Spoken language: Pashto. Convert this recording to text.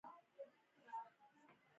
ګازرې ولې سترګو ته ګټورې دي؟